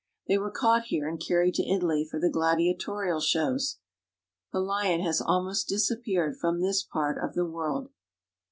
They were caught here and carried to Italy for the gladiatorial shows. The lion has almost disappeared from this part of the world.